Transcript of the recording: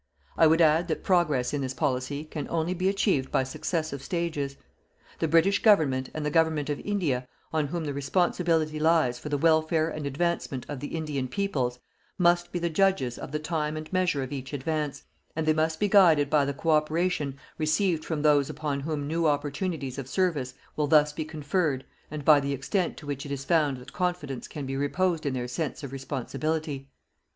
I would add that progress in this policy can only be achieved by successive stages. The British Government and the Government of India on whom the responsibility lies for the welfare and advancement of the Indian peoples, must be the judges of the time and measure of each advance, and they must be guided by the co operation received from those upon whom new opportunities of service will thus be conferred and by the extent to which it is found that confidence can be reposed in their sense of responsibility.